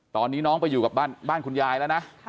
ตอนนี้น้องไปอยู่กับบ้านคุณยายแล้วนะ